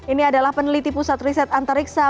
ini adalah peneliti pusat riset antariksa